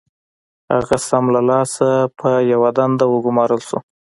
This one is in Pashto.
هغه سم له لاسه پر يوه دنده وګومارل شو.